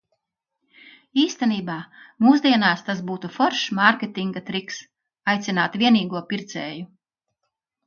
Īstenībā, mūsdienās tas būtu foršs mārketinga triks - aicināt vienīgo pircēju.